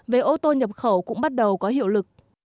về ô tô nhập khẩu cũng bắt đầu có hiệu lực